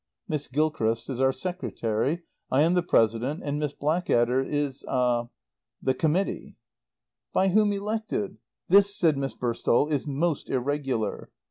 Miss Gilchrist is our secretary, I am the President and Miss Blackadder is er the Committee." "By whom elected? This," said Miss Burstall, "is most irregular."